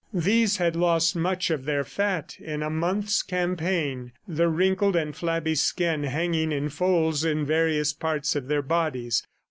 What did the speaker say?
These had lost much of their fat in a month's campaign, the wrinkled and flabby skin hanging in folds in various parts of their bodies.